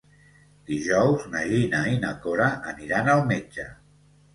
Dijous na Gina i na Cora aniran al metge.